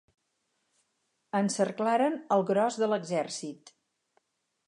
Encerclaren el gros de l'exèrcit.